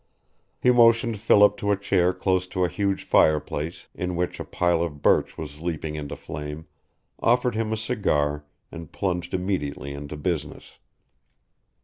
He motioned Philip to a chair close to a huge fireplace in which a pile of birch was leaping into flame, offered him a cigar, and plunged immediately into business.